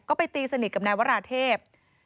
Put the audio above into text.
ก็ไปตีสนิทกับนายวราเทพ